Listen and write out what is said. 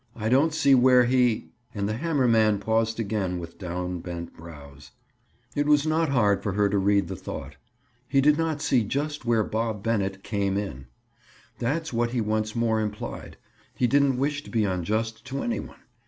I don't see where he—?" And the hammer man paused again with downbent brows. It was not hard for her to read the thought. He did not see just where Bob Bennett "came in." That's what he once more implied. He didn't wish to be unjust to any one.